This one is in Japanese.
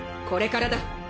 これからだ。